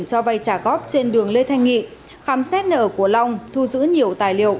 cho vay trả góp trên đường lê thanh nghị khám xét nợ của long thu giữ nhiều tài liệu